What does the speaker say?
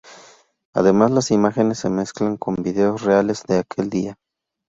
Además las imágenes se mezclan con videos reales de aquel día.